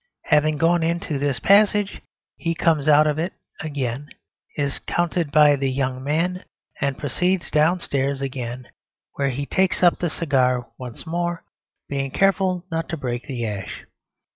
Having gone into this passage he comes out of it again, is counted by the young man and proceeds downstairs again; where he takes up the cigar once more, being careful not to break the ash.